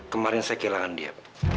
kemarin saya kehilangan dia